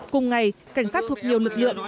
cùng ngày cảnh sát thuộc nhiều lực lượng